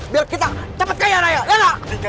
biar kita cepet kaya raya